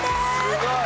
すごい。